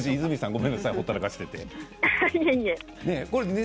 ごめんなさい、ほったらかして。